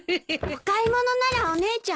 お買い物ならお姉ちゃん